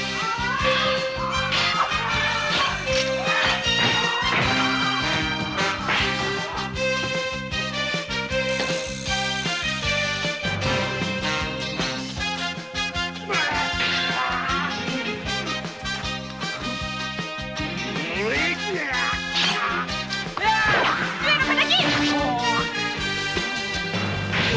父上の敵！